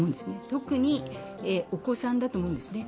特にお子さんだと思うんですね。